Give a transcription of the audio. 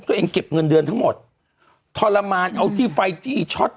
เก็บเงินเดือนทั้งหมดทรมานเอาที่ไฟจี้ช็อต